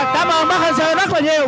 cảm ơn bắc hân sơ rất là nhiều